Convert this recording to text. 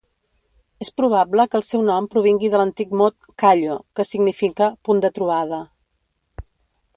És probable que el seu nom provingui de l'antic mot "kálló", que significa "punt de trobada".